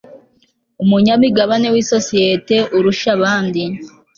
umunyamigabane w isosiyete urusha abandi